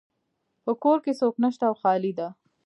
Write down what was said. په کور کې څوک نشته او خالی ده